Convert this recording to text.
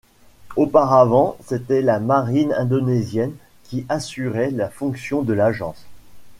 Auparavant, c'était la marine indonésienne qui assurait la fonction de l'agence.